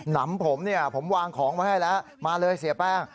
นำผมเนี่ยผมวางของไว้ให้แล้วมาเลยเสียแป้ง